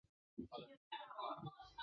于崇祯年间上任福建巡抚。